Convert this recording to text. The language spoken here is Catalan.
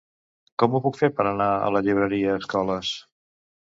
Com ho puc fer per anar a la llibreria Escoles?